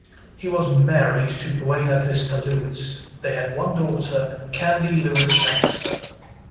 He was married to Buena Vista Lewis; they had one daughter, Candy Lewis Sangster.